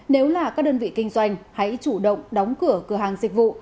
nếu là các đơn vị kinh doanh hãy chủ động đóng cửa cửa hàng dịch vụ